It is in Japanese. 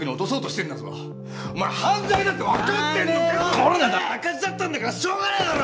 コロナで赤字だったんしょうがねぇだろ！